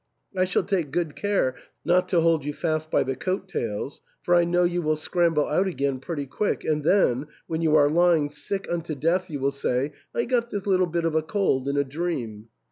I shall take good care not to hold you fast by the coat tails, for I know you will scramble out again pretty quick, and then, when you are lying sick unto death, you will say, * I got this little bit of a cold in a dream.'